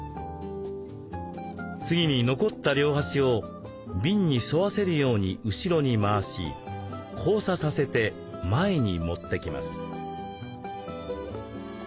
次に残った両端を瓶に沿わせるように後ろに回し交差させて前に持ってきます。